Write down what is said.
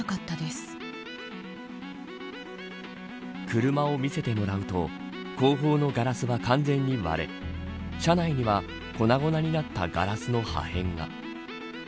車を見せてもらうと後方のガラスは完全に割れ車内には粉々になったガラスの破片が。